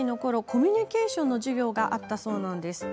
コミュニケーションの授業があったそうなんです。